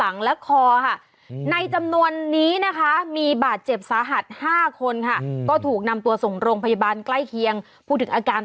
นะแต่แทนที่มันจะหยุดมันไม่หยุดค่ะ